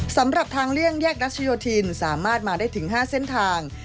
สำหรับทางเลี่ยงแยกรัชโยธินสามารถมาได้ถึง๕เส้นทาง